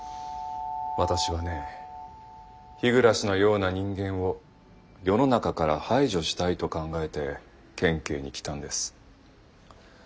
私はね日暮のような人間を世の中から排除したいと考えて県警に来たんです。